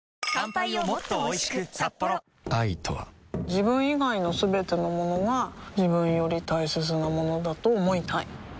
自分以外のすべてのものが自分より大切なものだと思いたい